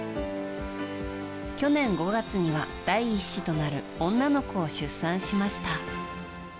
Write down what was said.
去年５月には第１子となる女の子を出産しました。